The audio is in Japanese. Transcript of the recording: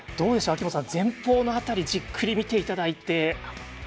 前方の辺りをじっくり見ていただいて。